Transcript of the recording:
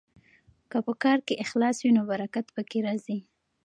که په کار کې اخلاص وي نو برکت پکې راځي.